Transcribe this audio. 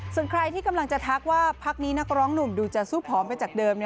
ส่วนใครที่กำลังจะทักว่าพักนี้นักร้องหนุ่มดูจะสู้ผอมไปจากเดิม